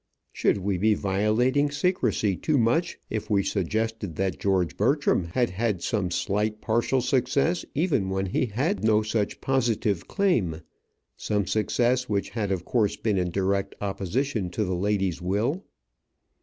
Should we be violating secrecy too much if we suggested that George Bertram had had some slight partial success even when he had no such positive claim some success which had of course been in direct opposition to the lady's will?